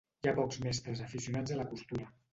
Hi ha pocs mestres aficionats a la costura.